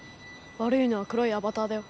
わるいのは黒いアバターだよ。